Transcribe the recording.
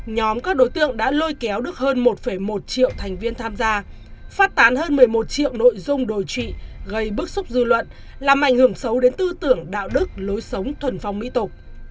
nhóm các đối tượng đã lôi kéo được hơn một một triệu thành viên tham gia phát tán hơn một mươi một triệu nội dung đồi trị gây bức xúc dư luận làm ảnh hưởng xấu đến tư tưởng đạo đức lối sống thuần phong mỹ tục